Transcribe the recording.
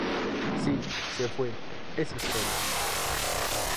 ¡ Sí! ¡ se fué! ¡ es historia!